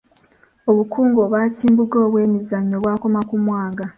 Obukungu Obwakimbugwe obw'emizizo bwakoma ku Mwanga.